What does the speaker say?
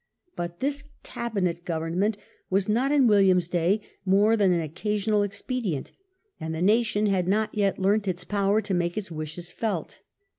But this "Cabinet government" was not, in William's day, more than an occasional expedient, and the nation had not yet learnt its power to make its wishes felt.